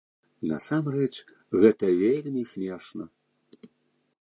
Насамрэч гэта вельмі смешна!